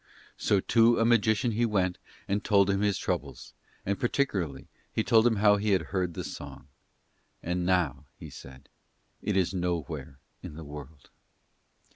So to a magician he went and told him his troubles, and particularly he told him how he had heard the song. "And now," he said, "it is nowhere in the world."